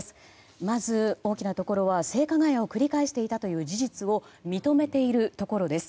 まず大きなところは性加害を繰り返していたという事実を認めているところです。